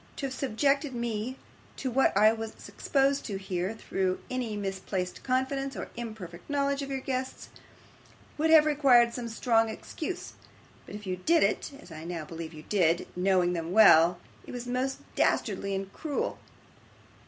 To have subjected me to what I was exposed to here, through any misplaced confidence or imperfect knowledge of your guests, would have required some strong excuse; but if you did it as I now believe you did knowing them well, it was most dastardly and cruel.